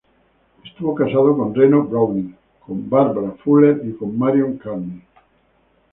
Estuvo casado con Reno Browne, con Barbra Fuller y con Marion Carney.